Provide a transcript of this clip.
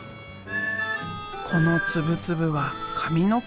この粒々は髪の毛。